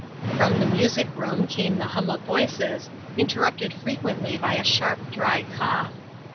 From the music room came the hum of voices, interrupted frequently by a sharp, dry cough.